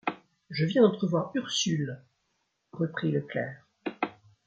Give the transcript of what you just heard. Je viens d’entrevoir Ursule. .. reprit le clerc.